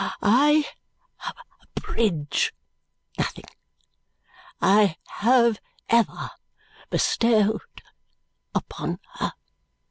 I abridge nothing I have ever bestowed upon her.